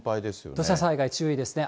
土砂災害、注意ですね。